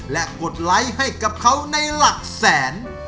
และกดไลค์ให้กับเขาในหลักแสน